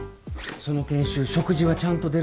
その研修食事はちゃんと出るのか？